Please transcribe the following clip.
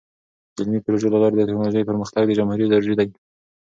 د علمي پروژو له لارې د ټیکنالوژۍ پرمختګ د جمهوری ضروری دی.